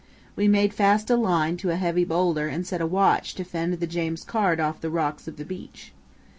We made fast a line to a heavy boulder and set a watch to fend the James Caird off the rocks of the beach.